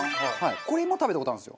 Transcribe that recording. これも食べた事あるんですよ。